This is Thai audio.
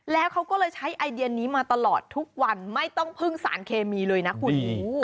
แล้วเขาก็เลยใช้ไอเดียนี้มาตลอดทุกวันไม่ต้องพึ่งสารเคมีเลยนะคุณ